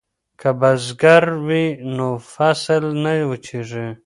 که بزګر وي نو فصل نه وچیږي.